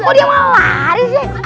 oh dia mau lari sih